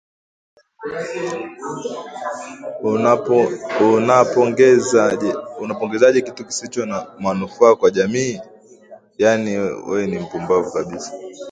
Unapongezaje kitu kisicho na manufaa kwa jamii? Yaani ni wapumbavu kabisa